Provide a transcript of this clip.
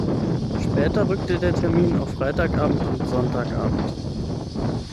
Später rückte der Termin auf Freitagabend und Sonntagabend.